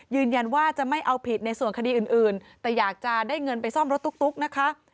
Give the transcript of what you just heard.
ยืนยันว่าจะไม่เอาผิดในส่วนคดีอื่นแต่อยากจะได้เงินไปซ่อมรถตุ๊กนะคะ